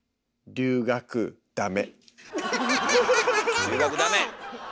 留学ダメ！